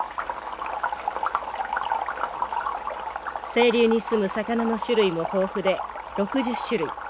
清流にすむ魚の種類も豊富で６０種類。